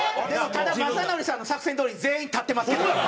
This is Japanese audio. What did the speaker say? ただ雅紀さんの作戦どおり全員立ってますけどね